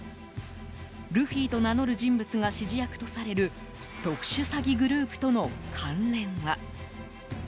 ルフィと名乗る人物が指示役とされる特殊詐欺グループとの関連は？